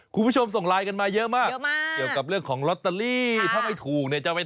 คุณผู้ชมส่งมากันมาเยอะมากเกี่ยวกับเรื่องของถ้าไม่ถูกเนี้ย